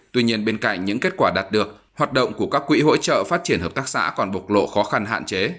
tuy nhiên bên cạnh những kết quả đạt được hoạt động của các quỹ hỗ trợ phát triển hợp tác xã còn bộc lộ khó khăn hạn chế